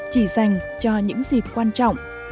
chỉ dành cho những dịp quan trọng